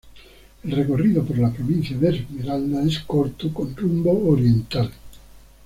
El recorrido por la Provincia de Esmeraldas es corto con rumbo oriental.